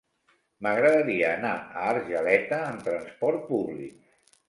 M'agradaria anar a Argeleta amb transport públic.